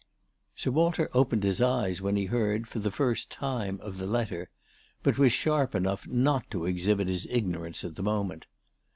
Sir Walter opened his eyes when he heard, for the first time, of the letter, but was sharp enough not to exhibit his ignorance at the moment.